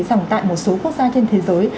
dòng tại một số quốc gia trên thế giới